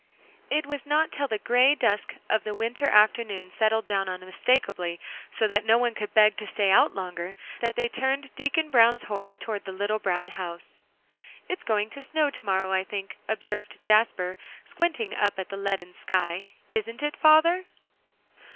It was not till the gray dusk of the winter afternoon settled down unmistakably, so that no one could beg to stay out longer, that they turned Deacon Brown's horse toward the little brown house. "It's going to snow to morrow, I think," observed Jasper, squinting up at the leaden sky, "isn't it, father?"